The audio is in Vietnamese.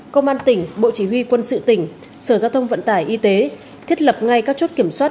công an tỉnh bộ chỉ huy quân sự tỉnh sở giao thông vận tải y tế thiết lập ngay các chốt kiểm soát